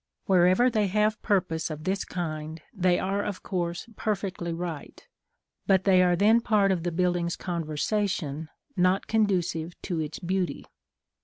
Wherever they have purpose of this kind, they are of course perfectly right; but they are then part of the building's conversation, not conducive to its beauty.